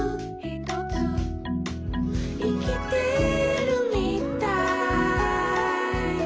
「いきてるみたい」